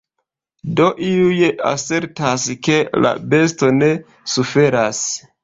Do iuj asertas, ke la besto ne suferas.